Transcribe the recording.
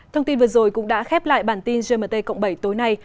thông tin vừa rồi cũng đã khép lại bản tin gmt cộng bảy tối nay